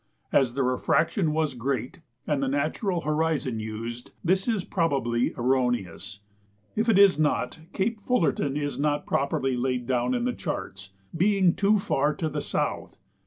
As the refraction was great and the natural horizon used, this is probably erroneous; if it is not, Cape Fullerton is not properly laid down in the charts, being too far to the south.